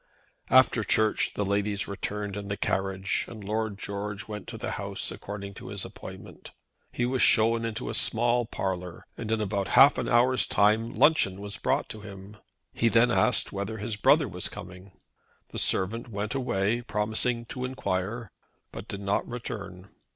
After Church the ladies returned in the carriage, and Lord George went to the house according to his appointment. He was shown into a small parlour, and in about half an hour's time luncheon was brought to him. He then asked whether his brother was coming. The servant went away, promising to enquire, but did not return.